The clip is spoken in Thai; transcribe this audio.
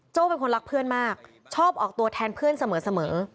เป็นคนรักเพื่อนมากชอบออกตัวแทนเพื่อนเสมอ